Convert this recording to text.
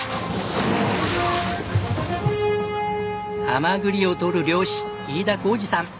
ハマグリを獲る漁師飯田晃司さん。